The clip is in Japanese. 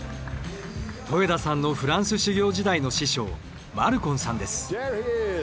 戸枝さんのフランス修行時代の師匠マルコンさんです。